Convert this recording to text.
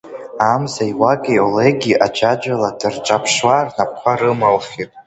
Амза, Иуакеи Олеги аӡәаӡәала дырҿаԥшуа, рнапқәа рымылхит.